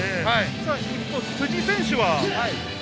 一方、辻選手は？